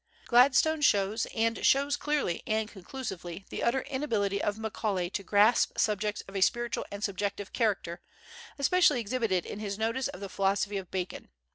Gladstone shows, and shows clearly and conclusively, the utter inability of Macaulay to grasp subjects of a spiritual and subjective character, especially exhibited in his notice of the philosophy of Bacon.